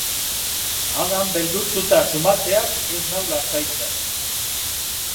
Adam beldurtuta sumatzeak ez nau lasaitzen.